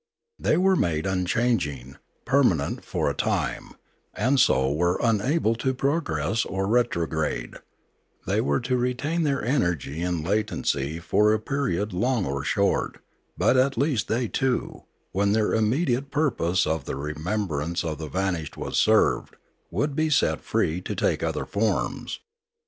They were made unchanging, permanent, for a time, and so were unable to progress or retrograde; they were to retain their energy in latency for a period long or short; but at last they too, when their immediate purpose of remembrance of the vanished was served, would be set free to take other forms.